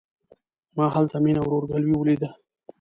ما هلته مينه او ورور ګلوي وليده.